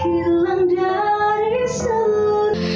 hilang dari seluruh